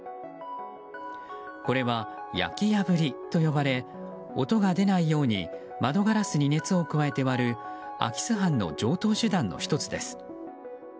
これは、焼き破りと呼ばれ音が出ないように窓ガラスに熱を加えて割る空き巣犯の常套手段の１つです。